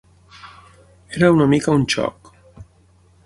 Era una mica un xoc.